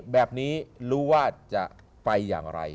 แบบนี้รู้ว่าจะไปอย่างไร